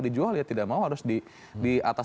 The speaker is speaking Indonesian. di jual ya tidak mau harus di atas